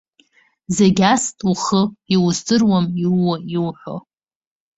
Зегь аст ухы, иуздыруам иууа, иуҳәо.